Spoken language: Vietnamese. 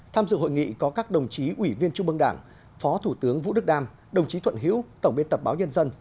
tham dự hội nghị có các đồng chí ủy viên trung mương đảng phó thủ tướng vũ đức đam đồng chí thuận hiễu tổng biên tập báo nhân dân